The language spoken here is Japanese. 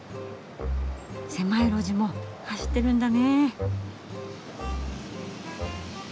狭い路地も走ってるんだね。